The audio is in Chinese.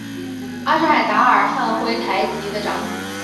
阿什海达尔汉珲台吉的长子。